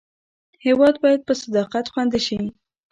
هېواد باید په صداقت خوندي شي.